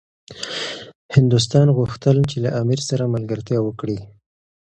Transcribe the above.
هندوستان غوښتل چي له امیر سره ملګرتیا وکړي.